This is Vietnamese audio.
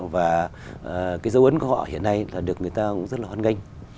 và cái dấu ấn của họ hiện nay là được người ta cũng rất là hoan nghênh